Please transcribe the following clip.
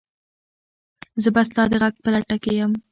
زه به ستا د غږ په لټه کې یم.